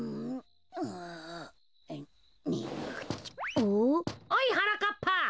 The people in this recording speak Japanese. おいはなかっぱ。